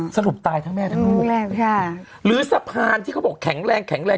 สรุปตายทั้งแม่ทั้งลูกแรงค่ะหรือสะพานที่เขาบอกแข็งแรงแข็งแรง